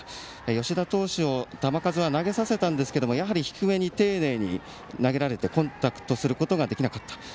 吉田投手に球数は投げさせたんですがやはり低めに丁寧に投げられてコンタクトすることができなかった。